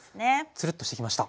つるっとしてきました。